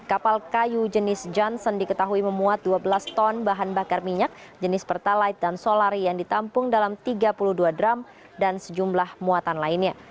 kapal kayu jenis johnson diketahui memuat dua belas ton bahan bakar minyak jenis pertalite dan solari yang ditampung dalam tiga puluh dua dram dan sejumlah muatan lainnya